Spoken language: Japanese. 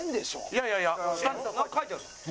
いやいやいや下になんか書いてあるんですよ。